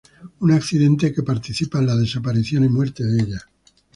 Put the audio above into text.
Un accidente que participan la desaparición y muerte de ella.